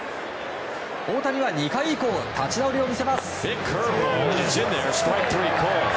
大谷は２回以降立ち直りを見せます。